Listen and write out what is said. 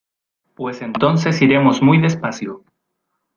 pues entonces iremos muy despacio